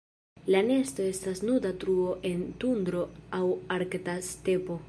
La nesto estas nuda truo en tundro aŭ arkta stepo.